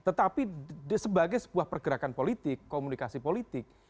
tetapi sebagai sebuah pergerakan politik komunikasi politik